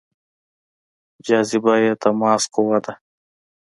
جاذبه بې تماس قوه ده.